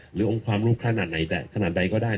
หรือองค์ความรู้ขนาดไหนขนาดใดก็ได้